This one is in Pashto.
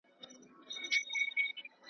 پر هغه لاره مي یون دی نازوه مي .